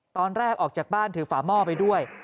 ตอนแรกออกจากบ้านถือฝาหม้อไปด้วย